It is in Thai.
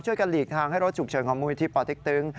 ช่วยกันลีกทางให้รถฉุกเฉินของมุมวิวิธีปลอดฤทธิ์ตึง